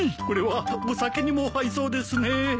これはお酒にも合いそうですね。